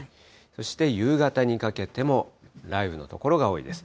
そして夕方にかけても雷雨の所が多いです。